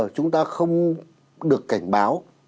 chúng ta không được cảnh báo